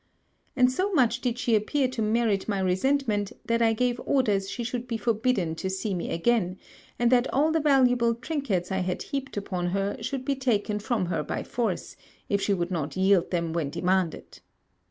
And so much did she appear to merit my resentment, that I gave orders she should be forbidden to see me again, and that all the valuable trinkets I had heaped upon her should be taken from her by force, if she would not yield them when demanded.